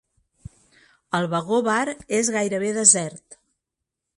El vagó-bar és gairebé desert.